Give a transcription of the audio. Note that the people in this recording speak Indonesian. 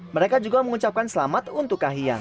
mereka juga mengucapkan selamat untuk kahiyang